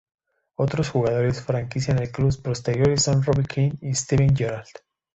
Otros jugadores franquicia del club posteriores son Robbie Keane y Steven Gerrard.